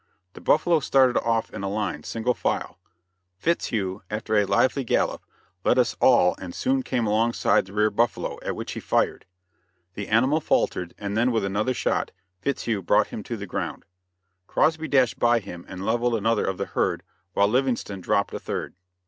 The buffaloes started off in a line, single file. Fitzhugh, after a lively gallop, led us all and soon came alongside the rear buffalo, at which he fired. The animal faltered, and then with another shot Fitzhugh brought him to the ground. Crosby dashed by him and leveled another of the herd, while Livingston dropped a third.